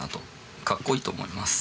かっこいいと思います。